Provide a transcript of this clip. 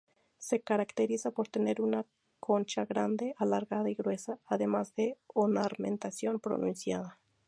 Se caracteriza por tener una concha grande, alargada y gruesa, además de ornamentación pronunciada.